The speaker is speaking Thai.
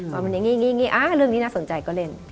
ว่ามันอย่างนี้เรื่องนี้น่าสนใจก็เล่น